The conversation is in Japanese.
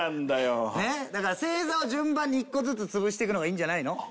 だから星座を順番に一個ずつ潰していくのがいいんじゃないの？